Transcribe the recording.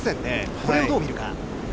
これをどう見るか。